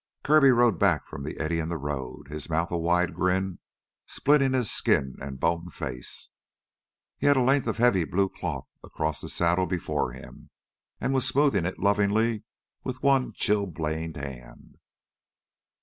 Kirby rode back from the eddy in the road, his mouth a wide grin splitting his skin and bone face. He had a length of heavy blue cloth across the saddle before him and was smoothing it lovingly with one chilblained hand.